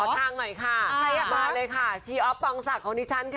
ขอชั่งหน่อยค่ะมาเลยค่ะชี้อ๊อปปองสักของนิชชันค่ะ